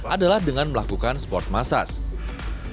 adalah dengan melakukan sport massage